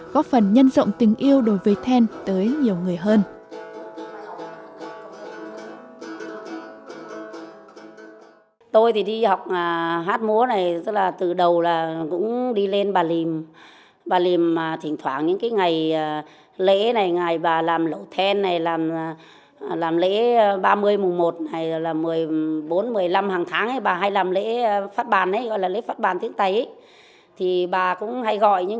góp phần nhân rộng tình yêu đối với then tới nhiều người hơn